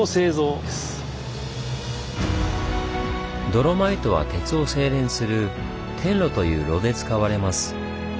ドロマイトは鉄を精錬する「転炉」という炉で使われます。